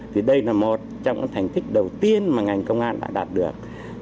thì đây là một trong những thành tích đầu tiên mà ngành công an đã đạt được